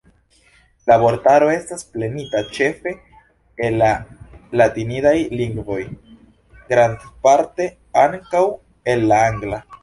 La vortaro estas prenita ĉefe el la latinidaj lingvoj, grandparte ankaŭ el la angla.